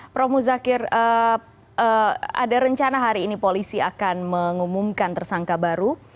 prof muzakir ada rencana hari ini polisi akan mengumumkan tersangka baru